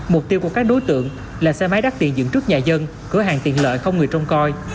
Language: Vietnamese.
mục tiêu của các đối tượng là xe máy đắt tiền dựng trước nhà dân cửa hàng tiện lợi không người trông coi